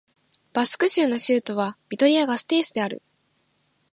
バスク州の州都はビトリア＝ガステイスである